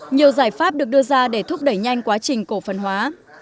nhiều giải pháp được đưa ra để thúc đẩy nhanh quá trình cổ phần hóa